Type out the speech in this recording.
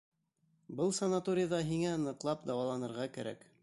Был санаторийҙа һиңә ныҡлап дауаланырға кәрәк.